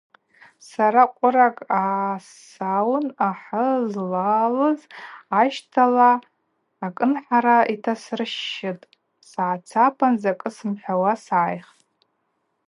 Сара къвыракӏ гӏасауын ахы злалалыз ащтала акӏынхӏара йтасырщщытӏ, сгӏацапан закӏы сымхӏвауа сгӏайхтӏ.